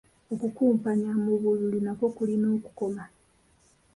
Okukumpanya mu bululu nakwo kulina okukoma.